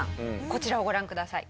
こちらをご覧ください。